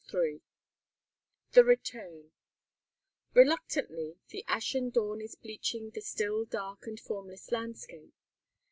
III The Return RELUCTANTLY the ashen dawn is bleaching the still dark and formless landscape.